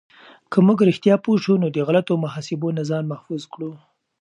که موږ رښتیا پوه شو، نو د غلطو محاسبو نه ځان محفوظ کړو.